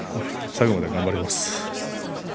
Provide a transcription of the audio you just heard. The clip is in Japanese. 最後まで頑張ります。